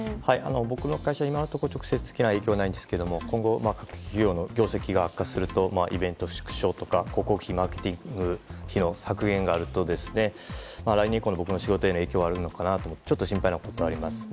僕の会社は今のところ直接的な影響はないんですけど今後、各企業の業績が悪化するとイベント縮小とか広告費、マーケティング費の削減がありますと僕の仕事への影響があるのかなと心配な部分はあります。